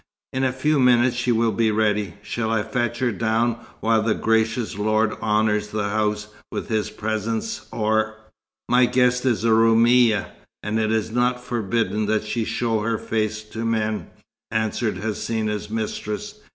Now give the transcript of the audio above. "In a few minutes she will be ready. Shall I fetch her down while the gracious lord honours the house with his presence, or " "My guest is a Roumia, and it is not forbidden that she show her face to men," answered Hsina's mistress.